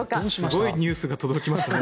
すごいニュースが届きましたね。